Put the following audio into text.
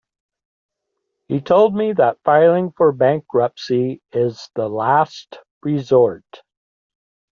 He told me that filing for bankruptcy is the last resort.